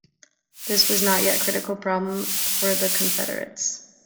This was not yet a critical problem for the Confederates.